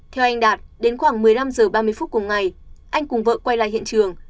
theo anh đạt đến khoảng một mươi năm h ba mươi phút cùng ngày anh cùng vợ quay lại hiện trường